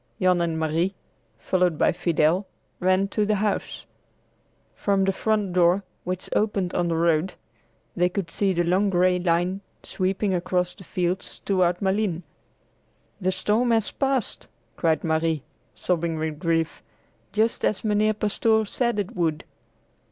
Jan and Marie, followed by Fidel, ran through the house. From the front door, which opened on the road; they could see the long gray line sweeping across the fields toward Malines. "The storm has passed," cried Marie, sobbing with grief, "just as Mynheer Pastoor said it would!